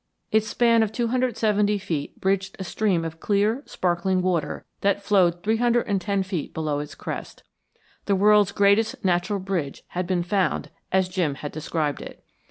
Its span of 270 feet bridged a stream of clear, sparkling water, that flowed 310 feet below its crest. The world's greatest natural bridge had been found as Jim had described it.